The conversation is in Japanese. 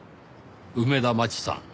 梅田真知さん。